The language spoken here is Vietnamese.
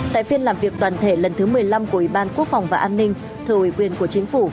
tại phiên làm việc toàn thể lần thứ một mươi năm của ủy ban quốc phòng và an ninh thờ ủy quyền của chính phủ